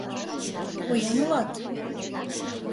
Поян улат?